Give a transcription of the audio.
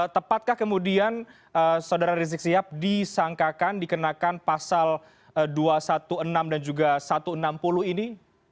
tepatkah kemudian saudara rizik sihab disangkakan dikenakan pasal dua ratus enam belas dan juga satu ratus enam puluh ini